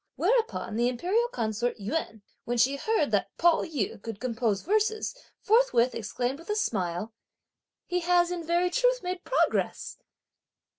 Whereupon the imperial consort Yüan, when she heard that Pao yü could compose verses, forthwith exclaimed with a smile: "He has in very truth made progress!"